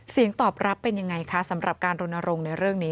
เสียงตอบรับเป็นยังไงคะสำหรับการรณรงค์ในเรื่องนี้